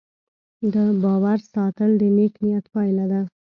د باور ساتل د نیک نیت پایله ده.